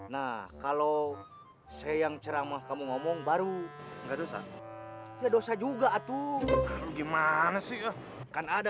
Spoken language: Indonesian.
nah kalau sayang ceramah kamu ngomong baru nggak dosa dosa juga tuh gimana sih kan ada